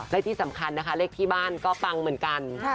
และที่สำคัญนะคะเลขที่บ้านก็ปังเหมือนกัน